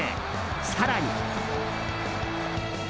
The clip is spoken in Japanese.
更に。